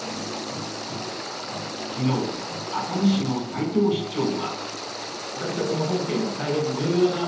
昨日、熱海市の齊藤市長は。